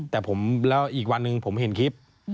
แต่ผมแล้วอีกวันหนึ่งผมเห็นคลิป